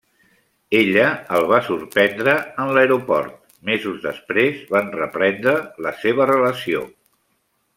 Ella el va sorprendre en l'aeroport, mesos després van reprendre la seva relació.